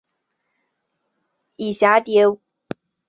漪蛱蝶属是线蛱蝶亚科环蛱蝶族里的一属。